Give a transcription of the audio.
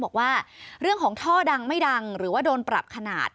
บอกว่าเรื่องของท่อดังไม่ดังหรือว่าโดนปรับขนาด